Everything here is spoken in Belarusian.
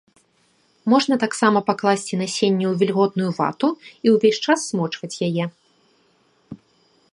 Можна таксама пакласці насенне ў вільготную вату і ўвесь час змочваць яе.